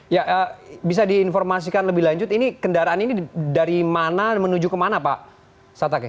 ya bisa diinformasikan lebih lanjut ini kendaraan ini dari mana menuju ke mana pak